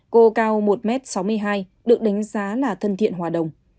cô cao một sáu mươi hai m được đánh giá là thân thiện hòa đồng